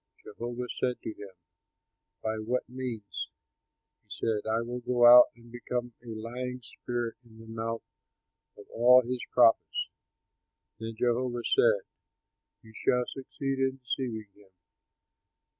Jehovah said to him, 'By what means?' He said, 'I will go out and become a lying spirit in the mouth of all his prophets.' Then Jehovah said, 'You shall succeed in deceiving him.